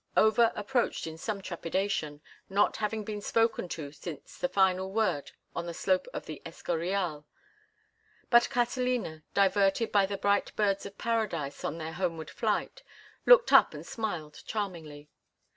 Over approached in some trepidation, not having been spoken to since the final word on the slope of the Escorial; but Catalina, diverted by the bright birds of paradise on their homeward flight, looked up and smiled charmingly.